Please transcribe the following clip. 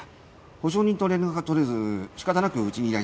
保証人と連絡が取れず仕方なくうちに依頼してきた。